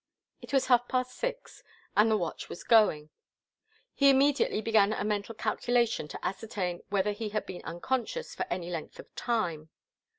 It was half past six, and the watch was going. He immediately began a mental calculation to ascertain whether he had been unconscious for any length of time.